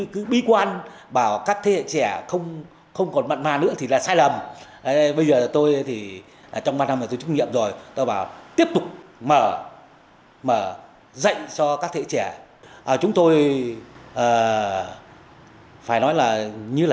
các thế hệ trẻ không hề thờ ơ với văn hóa truyền thống